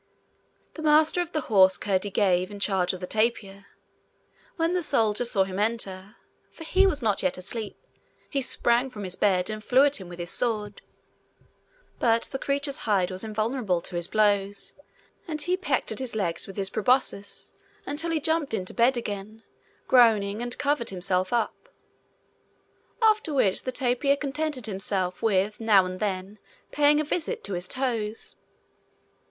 The master of the horse Curdie gave in charge to the tapir. When the soldier saw him enter for he was not yet asleep he sprang from his bed, and flew at him with his sword. But the creature's hide was invulnerable to his blows, and he pecked at his legs with his proboscis until he jumped into bed again, groaning, and covered himself up; after which the tapir contented himself with now and then paying a visit to his toes.